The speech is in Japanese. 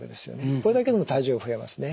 これだけでも体重が増えますね。